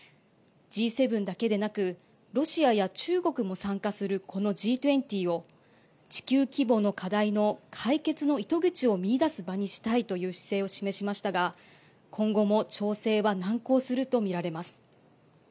Ｇ７だけでなくロシアや中国も参加するこのＧ２０を地球規模の課題の解決の糸口を見いだす場にしたいという姿勢を示しましたが今後も調整は難航すると見られます。